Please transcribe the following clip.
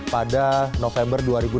pada november dua ribu dua puluh